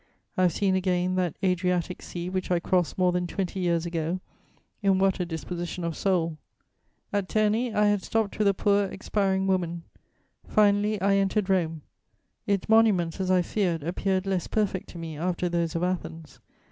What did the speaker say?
I have seen again that Adriatic Sea which I crossed more than twenty years ago, in what a disposition of soul! At Terni, I had stopped with a poor expiring woman. Finally I entered Rome. Its monuments, as I feared, appeared less perfect to me after those of Athens.